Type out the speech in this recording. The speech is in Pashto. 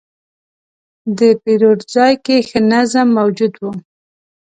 د پیرود ځای کې ښه نظم موجود و.